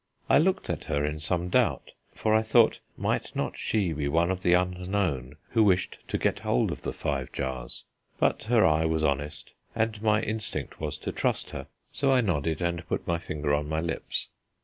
I looked at her in some doubt, for I thought, might not she be one of the unknown who wished to get hold of the Five Jars? But her eye was honest, and my instinct was to trust her: so I nodded, and put my finger on my lips.